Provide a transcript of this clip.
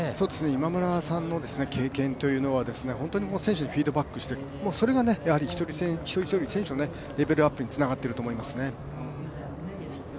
今村さんの経験は選手にフィードバックされててそれが一人一人選手のレベルアップにつながってると思いますね。